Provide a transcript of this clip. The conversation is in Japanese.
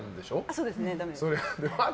そうですね、ダメです。